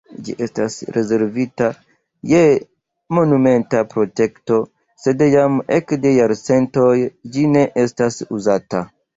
Ĝi estas rezervita je monumenta protekto, sed jam ekde jarcentoj ĝi ne estas uzata.